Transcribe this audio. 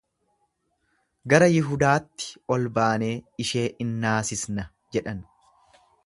Gara Yihudaatti ol baanee ishee in naasisna jedhan.